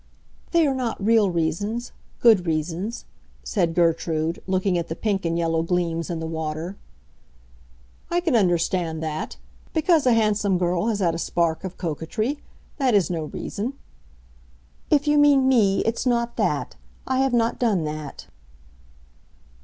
"They are not real reasons—good reasons," said Gertrude, looking at the pink and yellow gleams in the water. "I can understand that! Because a handsome girl has had a spark of coquetry, that is no reason." "If you mean me, it's not that. I have not done that."